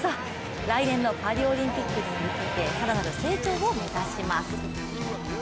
来年のパリオリンピックに向けて更なる成長を目指します。